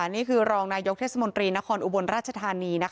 นี่คือรองนายกเทพฯนครอุบรณราชฎานี